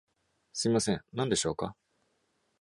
すみません、何でしょうか?